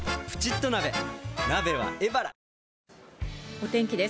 お天気です。